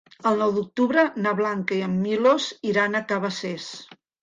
El nou d'octubre na Blanca i en Milos iran a Cabacés.